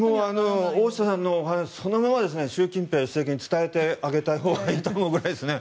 大下さんのお話そのまま習近平政権に伝えてあげたほうがいいと思うくらいですね。